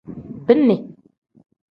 Bini.